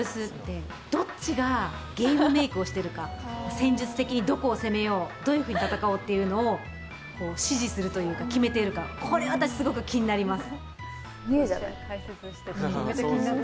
戦術的にどこを攻めようどういうふうに戦おうっていうのを指示するっていうか決めているか、これは私、すごく気になります。